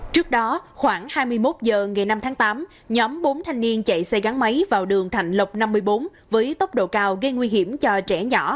trước đó khoảng hai mươi một h ngày năm tháng tám nhóm bốn thanh niên chạy xe gắn máy vào đường thạnh lộc năm mươi bốn với tốc độ cao gây nguy hiểm cho trẻ nhỏ